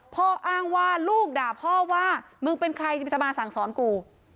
อ้างว่าลูกด่าพ่อว่ามึงเป็นใครจะมาสั่งสอนกู